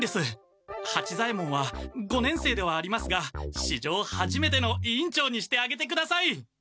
八左ヱ門は五年生ではありますがしじょうはじめての委員長にしてあげてください！